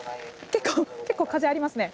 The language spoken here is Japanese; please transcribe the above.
結構風ありますね。